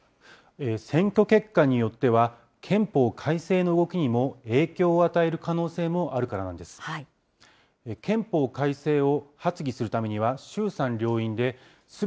選挙結果によっては、憲法改正の動きにも影響を与える可能性もあるからなんです。